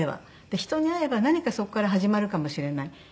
人に会えば何かそこから始まるかもしれない。